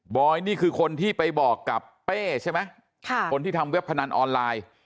อยนี่คือคนที่ไปบอกกับเป้ใช่ไหมค่ะคนที่ทำเว็บพนันออนไลน์